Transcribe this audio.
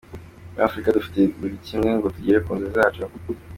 Muri Afurika dufite buri kimwe ngo tugere ku nzozi zacu.